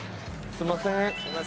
すみません。